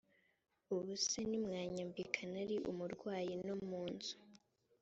ubusa ntimwanyambika nari umurwayi no mu nzu